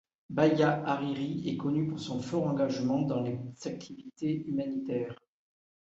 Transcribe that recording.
Bahia Hariri est connue pour son fort engagement dans les activités humanitaires.